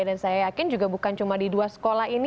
dan saya yakin juga bukan cuma di dua sekolah ini